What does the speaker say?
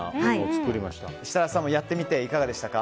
設楽さんもやってみていかがでしたか？